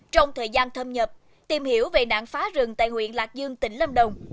trong thời gian thâm nhập tìm hiểu về nạn phá rừng tại huyện lạc dương tỉnh lâm đồng